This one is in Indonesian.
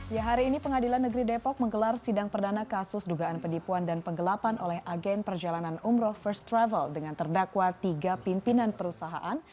ya hari ini pengadilan negeri depok menggelar sidang perdana kasus dugaan penipuan dan penggelapan oleh agen perjalanan umroh first travel dengan terdakwa tiga pimpinan perusahaan